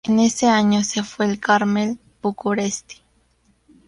En ese año se fue al Carmen București.